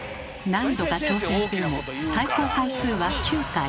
何度か挑戦するも最高回数は９回。